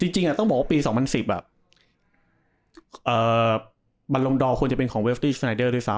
จริงต้องบอกว่าปี๒๐๑๐บรรลงดอร์ควรจะเป็นของเวฟตี้สไนเดอร์ด้วยซ้